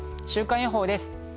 週間予報です。